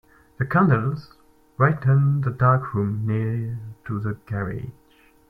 The candles brightened the dark room near to the garage.